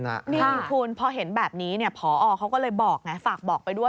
นี่คุณพอเห็นแบบนี้พอเขาก็เลยบอกไงฝากบอกไปด้วย